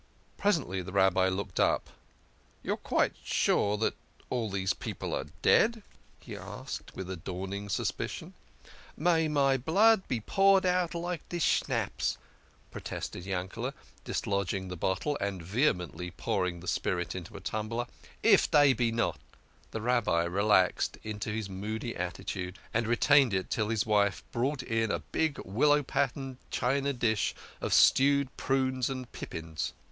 Presently the Rabbi looked up :" You're quite sure all these people are dead?" he asked with a dawning suspi cion. " May my blood be poured out like this schnapps" pro tested Yankele", dislodging the bottle, and vehemently pour ing the spirit into a tumbler, "if dey be not." The Rabbi relapsed into his moody attitude, and retained it till his wife brought in a big willow pattern china dish of stewed prunes and pippins.